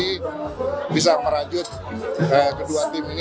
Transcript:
eh bisa balas receives